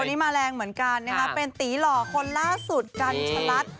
วันนี้มาแรงเหมือนกันนะคะเป็นตีหล่อคนล่าสุดกัญชลัด